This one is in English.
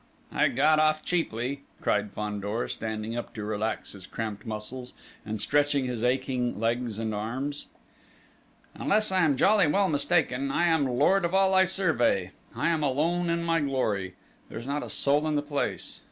I've got off cheaply!" cried Fandor, standing up to relax his cramped muscles and stretching his aching legs and arms. "Unless I am jolly well mistaken, I am lord of all I survey. I am alone in my glory! There's not a soul in the place!